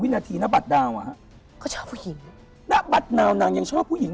มาตลอดเลยฉันชอบผู้หญิง